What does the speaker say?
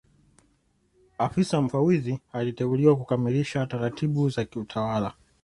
Afisa Mfawidhi aliteuliwa kukamilisha taratibu za kiutawala